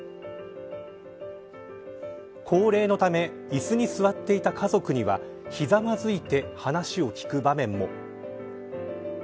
高齢なためいすに座っていた家族にはひざまずいて話を聞く場面も。